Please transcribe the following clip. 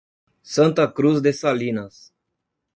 Santa Cruz de Salinas